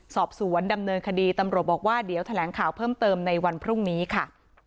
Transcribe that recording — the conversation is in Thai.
สอบสวนดำเนินคดีตำรวจบอกว่าเดี๋ยวแถลงข่าวเพิ่มเติมในวันพรุ่งนี้ค่ะ